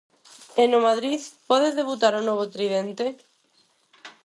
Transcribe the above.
E no Madrid, pode debutar o novo tridente.